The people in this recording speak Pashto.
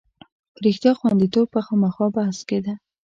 په رښتیا غوندېتوب به خامخا بحث کېده.